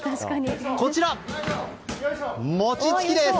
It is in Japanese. こちら、餅つきです。